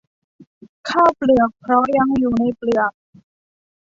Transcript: ข้าวเปลือก เพราะยังอยู่ในเปลือก